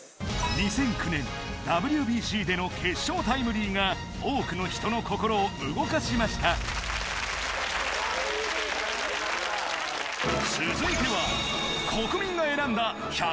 ２００９年ＷＢＣでの決勝タイムリーが多くの人の心を動かしましたという結果になりました。